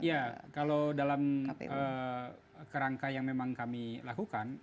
ya kalau dalam kerangka yang memang kami lakukan